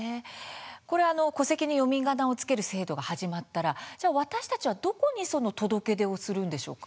戸籍に読みがなを付ける制度が始まったら私たちはどこに届け出をするんでしょうか。